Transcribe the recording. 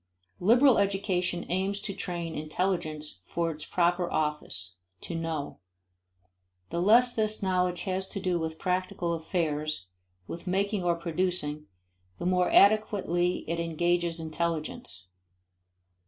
Liberal education aims to train intelligence for its proper office: to know. The less this knowledge has to do with practical affairs, with making or producing, the more adequately it engages intelligence.